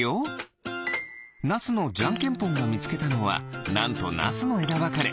ナスのじゃけんポン！がみつけたのはなんとナスのえだわかれ。